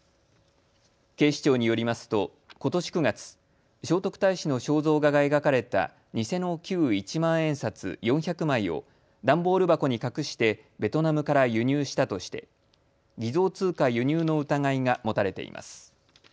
警視庁によりますとことし９月、聖徳太子の肖像画が描かれた偽の旧一万円札４００枚を段ボール箱に隠してベトナムから輸入したとして偽造通貨輸入の疑いが持たれています。